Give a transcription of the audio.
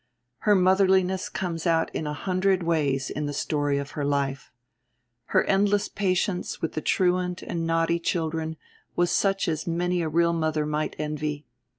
Her motherliness comes out in a hundred ways in the story of her life. Her endless patience with the truant and naughty children was such as many a real mother might envy.